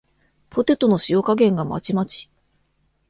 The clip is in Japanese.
ポテトの塩加減がまちまち